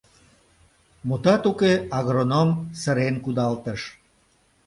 Мутат уке, агроном сырен кудалтыш.